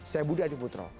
saya budi adik putro